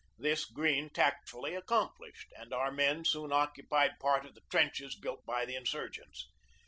This Greene tactfully accomplished, and our men soon occupied part of the trenches built by the insurgents.